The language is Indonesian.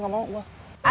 aku gak mau